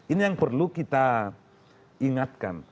ini yang perlu kita ingatkan